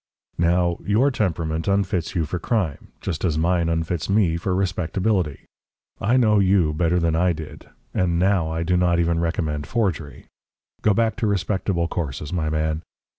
"Now, your temperament unfits you for crime just as mine unfits me for respectability. I know you better than I did, and now I do not even recommend forgery. Go back to respectable courses, my man.